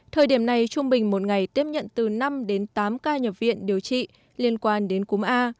thời điểm này trung bình một ngày tiếp nhận từ năm đến tám ca nhập viện điều trị liên quan đến cúm a